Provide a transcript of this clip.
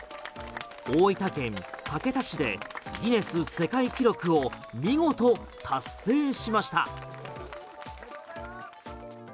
大分県竹田市でギネス世界記録を見事達成しました。